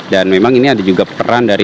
dan memang ini ada juga peran dari